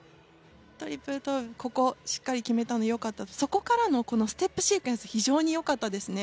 ここしっかり決めたの良かったそこからのこのステップシークエンス非常に良かったですね。